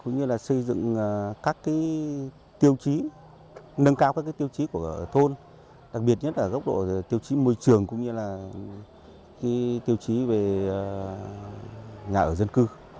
nâng cao các tiêu chí của thôn đặc biệt nhất là gốc độ tiêu chí môi trường cũng như là tiêu chí về nhà ở dân cư